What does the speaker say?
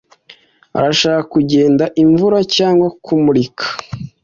arashaka kugenda, imvura cyangwa kumurika.